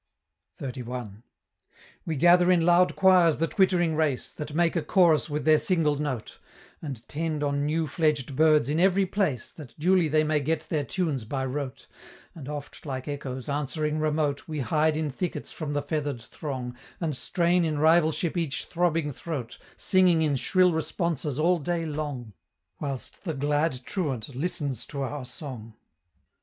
XXXI. "We gather in loud choirs the twittering race, That make a chorus with their single note; And tend on new fledged birds in every place, That duly they may get their tunes by rote; And oft, like echoes, answering remote, We hide in thickets from the feather'd throng, And strain in rivalship each throbbing throat, Singing in shrill responses all day long, Whilst the glad truant listens to our song."